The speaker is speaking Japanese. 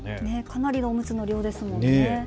かなりのおむつの量ですね。